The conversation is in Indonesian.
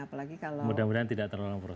mudah mudahan tidak terlalu lama prosesnya